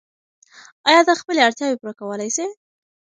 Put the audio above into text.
آیا ته خپلې اړتیاوې پوره کولای سې؟